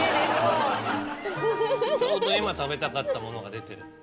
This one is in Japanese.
ちょうど今食べたかったものが出てる。